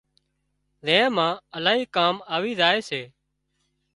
زين مان الاهي ڪام آوِي زائي سي